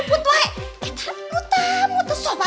eh takut kamu tuh sopan pisan mana